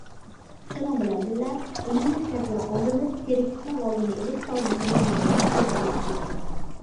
شۇنىڭ بىلەن بىللە، ئۈنۈملۈك تەدبىر قوللىنىپ چىرىكلىكنىڭ ئالدىنى ئېلىش سالمىقىنى يەنىمۇ ئاشۇرۇشىمىز كېرەك.